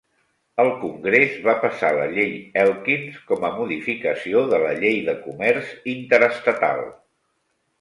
El congrés va passar la Llei Elkins com a modificació de la llei de comerç interestatal.